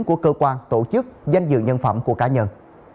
của cơ quan tổ chức danh dự nhân phẩm của cá nhân